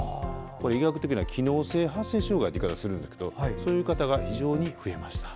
医学的には機能性発声障害という言い方をするんですけどそういう方が非常に増えました。